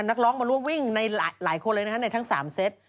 นักร้องมาร่วมวิ่งในหลายคนเลยนะฮะในทั้ง๓เซต